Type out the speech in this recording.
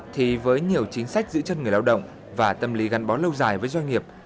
thì với nhiều chính sách giữ chân người lao động và tâm lý gắn bó lâu dài với doanh nghiệp